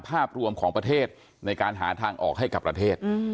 ภาพรวมของประเทศในการหาทางออกให้กับประเทศ